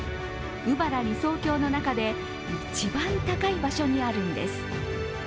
鵜原理想郷の中で一番高い場所にあるんです。